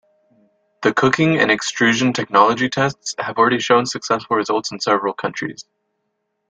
The cooking and extrusion technology tests have already shown successful results in several countries.